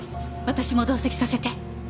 私も同席させて。